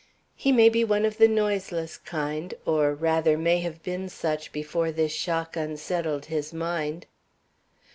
"He may be one of the noiseless kind, or, rather, may have been such before this shock unsettled his mind."